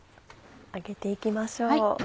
揚げていきましょう。